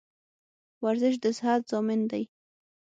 ورزش د صحت ضامن دی